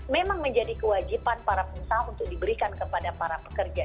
memang menjadi kewajiban para pengusaha untuk diberikan kepada para pekerja